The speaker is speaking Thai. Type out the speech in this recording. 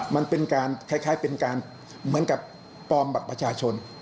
มันเป็นการคล้ายเป็นการเหมือนกับปลอมบัตรประชาชน